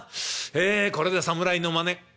これで侍のまね。